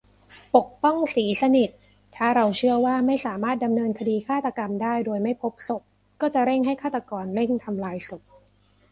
ปกป้อง ศรีสนิท : ถ้าเราเชื่อว่าไม่สามารถดำเนินคดีฆาตกรรมได้โดยไม่พบศพ ก็จะเร่งให้ฆาตกรเร่งทำลายศพ